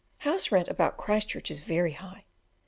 House rent about Christchurch is very high.